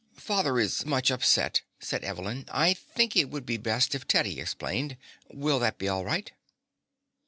"Father is much upset," said Evelyn. "I think it would be best if Teddy explained. Will that be all right?"